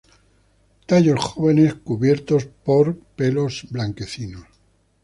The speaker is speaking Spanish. Tallos jóvenes cubiertos por pelos blanquecinos.